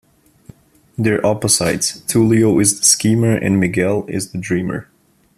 They're opposites - Tulio is the schemer and Miguel is the dreamer.